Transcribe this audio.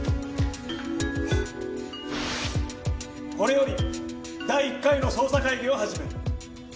これより第１回の捜査会議を始める。